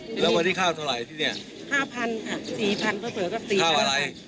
จะเป็นข้าวหน้าปังค่ะ